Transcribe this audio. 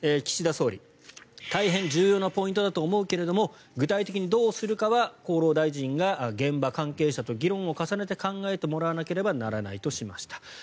岸田総理大変重要なポイントだと思うけれども具体的にどうするかは厚労大臣が現場関係者と議論を重ねて考えてもらわなければならないとしました。